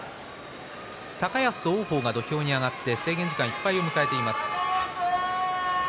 高安と王鵬が土俵に上がって制限時間いっぱいです。